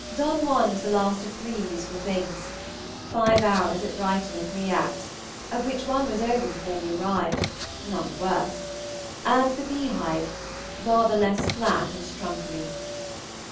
"Don Juan" was the last of three musical things. "Five Hours at Brighton," in three acts, of which one was over before we arrived, none the worse, and the "Beehive," rather less flat and trumpery.